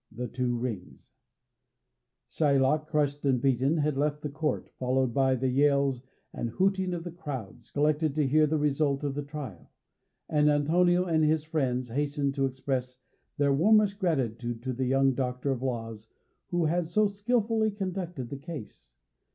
The Two Rings Shylock, crushed and beaten, had left the court, followed by the yells and hooting of the crowds collected to hear the result of the trial, and Antonio and his friends hastened to express their warmest gratitude to the young Doctor of Laws who had so skilfully conducted the case.